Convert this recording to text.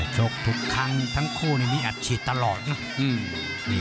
ชกทุกครั้งทั้งคู่มีอัดฉีดตลอดนะ